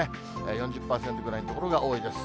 ４０％ぐらいの所が多いです。